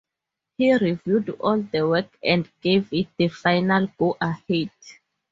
He reviewed all the work and gave it the final go-ahead.